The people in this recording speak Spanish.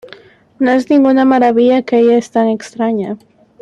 No es ninguna maravilla que ella es tan extraña.